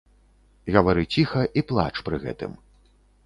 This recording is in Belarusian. Гавары ціха і плач пры гэтым.